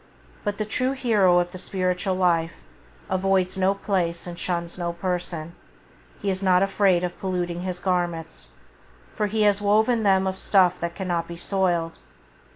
But the true hero of the spiritual life avoids no place and shuns no person; he is not afraid of polluting his garments, for he has woven them of stuff that cannot be soiled.